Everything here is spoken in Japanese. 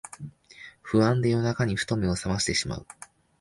不安で夜中にふと目をさましてしまう